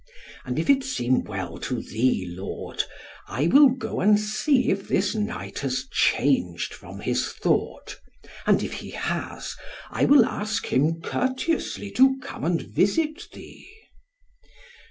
And if it seem well to thee, lord, I will go and see if this knight has changed from his thought; and if he has, I will ask him courteously to come and visit thee."